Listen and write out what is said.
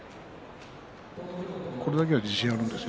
これだけは自信があるんですよ